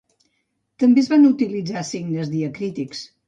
També es van utilitzar signes diacrítics.